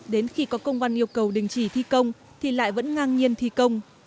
đến khi có công văn yêu cầu đình chỉ thi công thì lại vẫn ngang nhiên thi công